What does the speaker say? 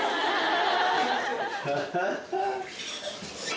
ハハハ！